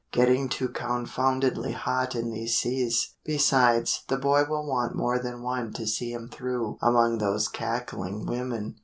"Getting too confoundedly hot in these seas; besides, the boy will want more than one to see him through among those cackling women."